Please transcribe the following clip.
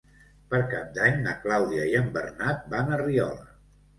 Per Cap d'Any na Clàudia i en Bernat van a Riola.